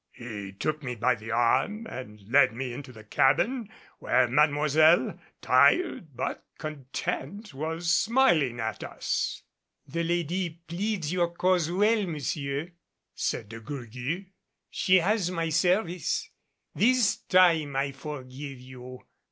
He took me by the arm and led me into the cabin, where Mademoiselle, tired but content, was smiling at us. "The lady pleads your cause well, monsieur," said De Gourgues. "She has my service. This time I forgive you.